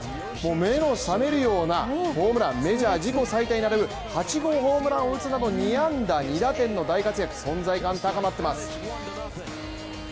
目の覚めるようなホームラン、メジャー自己最多に並ぶ８号ホームランを打つなど２安打２打点の大活躍、存在感高まっています。